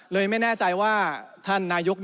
ไม่แน่ใจว่าท่านนายก